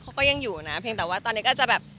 เขาก็ยังอยู่นะเพียงแต่ว่าตอนนี้ก็จะแบบ